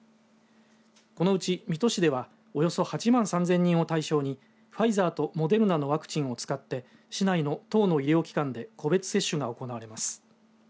このうち水戸市ではおよそ８万３０００人を対象にファイザーとモデルナのワクチンを使って市内の１０の医療機関で個別接種が行われます。